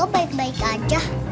tuh baik baik aja